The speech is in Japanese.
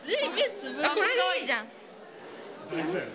これかわいいじゃん。